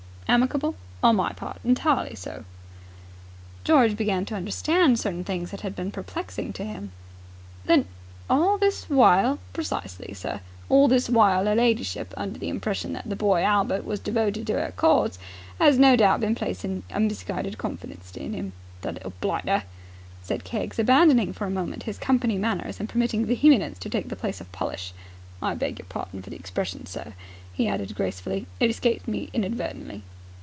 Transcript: "Amicable?" "On my part, entirely so." George began to understand certain things that had been perplexing to him. "Then all this while. ..?" "Precisely, sir. All this while 'er ladyship, under the impression that the boy Albert was devoted to 'er cause, has no doubt been placing a misguided confidence in 'im ... The little blighter!" said Keggs, abandoning for a moment his company manners and permitting vehemence to take the place of polish. "I beg your pardon for the expression, sir," he added gracefully. "It escaped me inadvertently."